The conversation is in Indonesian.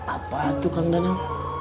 apa itu kang daniel